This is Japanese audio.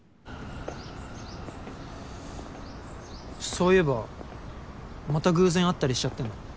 そういえばまた偶然会ったりしちゃってんの？